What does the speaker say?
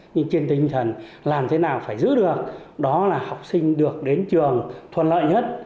nhưng trên tinh thần làm thế nào phải giữ được đó là học sinh được đến trường thuận lợi nhất